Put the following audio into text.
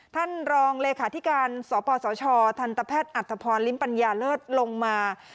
ท่านรองเลขาธิการสปสชทันตแพทย์อัธพรลิ้มปัญญาเลิศลงมา